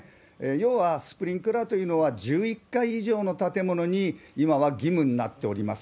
要はスプリンクラーというのは、１１階以上の建物に今は義務になっております。